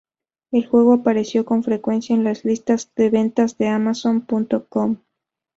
El juego apareció con frecuencia en las listas de ventas de Amazon.com.